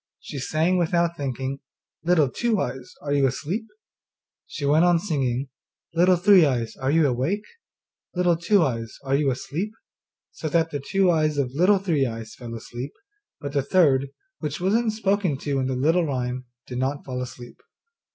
she sang, without thinking, 'Little Two eyes, are you asleep?' She went on singing, 'Little Three eyes, are you awake? Little Two eyes, are you asleep?' so that the two eyes of Little Three eyes fell asleep, but the third, which was not spoken to in the little rhyme, did not fall asleep.